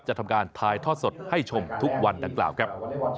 ทำการถ่ายทอดสดให้ชมทุกวันดังกล่าวครับ